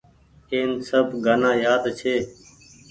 اين سب گآنآ يآد ڇي۔